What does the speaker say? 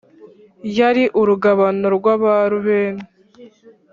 Yari urugabano rw abarubeni